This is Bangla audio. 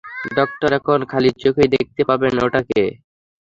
ডক্টর, এখন খালি চোখেই দেখতে পাবেন ওটাকে!